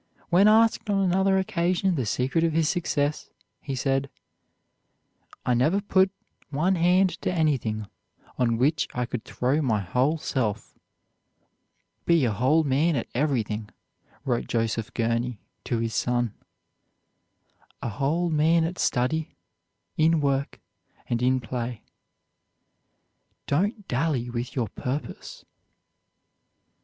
When asked on another occasion the secret of his success, he said: "I never put one hand to anything on which I could throw my whole self." "Be a whole man at everything," wrote Joseph Gurney to his son, "a whole man at study, in work, and in play." Don't dally with your purpose.